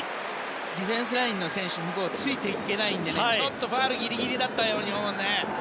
ディフェンスラインの選手向こう、ついていけてないからちょっとファウルギリギリだったように思うんだよね。